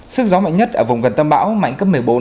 sức gió mạnh nhất ở vùng gần tâm bão mạnh cấp một mươi bốn